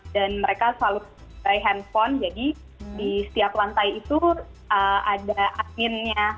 dan mereka selalu pakai handphone jadi di setiap lantai itu ada adminnya